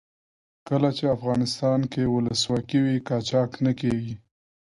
کله چې افغانستان کې ولسواکي وي قاچاق نه کیږي.